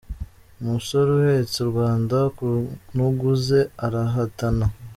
Umusore uhetse u Rwanda ku ntugu ze arahatana.